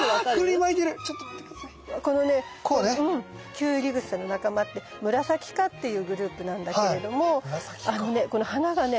キュウリグサの仲間ってムラサキ科っていうグループなんだけれどもあのねこの花がね